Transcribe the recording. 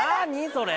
それ。